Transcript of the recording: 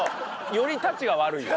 よりたちが悪いよ。